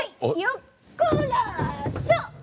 よっこらしょ！